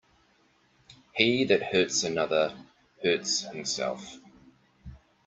He that hurts another, hurts himself.